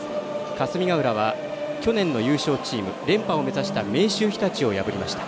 霞ヶ浦は去年の優勝チーム連覇を目指した明秀日立を破りました。